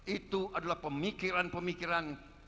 itu adalah pemikiran pemikiran